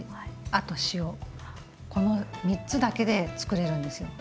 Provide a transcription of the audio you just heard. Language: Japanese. あと塩この３つだけでつくれるんですよ。